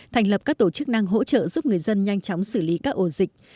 thành lập các tổ chức năng hỗ trợ giúp người dân nhanh chóng xử lý các ổ dịch